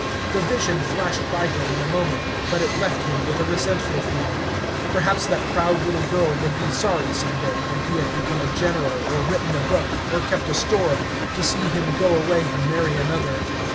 The vision flashed by him in a moment, but it left him with a resentful feeling. Perhaps that proud little girl would be sorry some day, when he had become a general, or written a book, or kept a store, to see him go away and marry another.